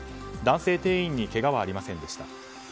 男性店員にけがはありませんでした。